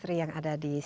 iya ini sudah cukup